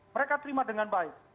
mereka terima dengan baik